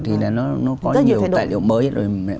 thì nó có nhiều tài liệu mới rồi